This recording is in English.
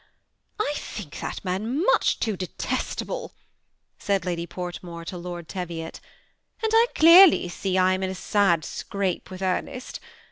I think that man much too detestable," said Lady Portmore to Lord Teviot, '' and I see clearly I am in a sad scrape with ^mest.